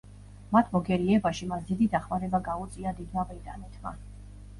მათ მოგერიებაში მას დიდი დახმარება გაუწია დიდმა ბრიტანეთმა.